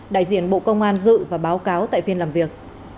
đại diện bộ công an dự và báo cáo tại phiên làm việc